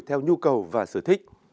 theo nhu cầu và sở thích